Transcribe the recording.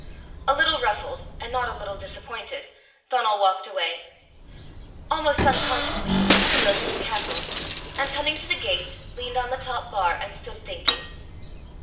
A little ruffled, and not a little disappointed, Donal walked away. Almost unconsciously he took the road to the castle, and coming to the gate, leaned on the top bar, and stood thinking.